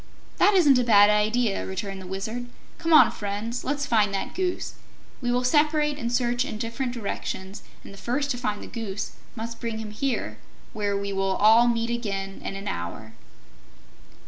"That isn't a bad idea," returned the Wizard. "Come on, Friends; let's find that Goose. We will separate and search in different directions, and the first to find the Goose must bring him here, where we will all meet again in an hour."